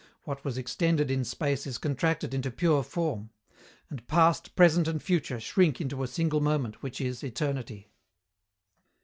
What was extended in space is contracted into pure Form. And past, present, and future shrink into a single moment, which is eternity.